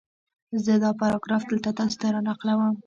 زه دا پاراګراف دلته تاسې ته را نقلوم